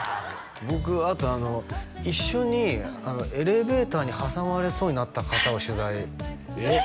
僕あと一緒にエレベーターに挟まれそうになった方を取材えっ！？